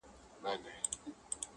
بيزو وان ويل بيزو ته په خندا سه،